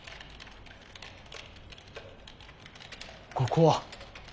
ここは？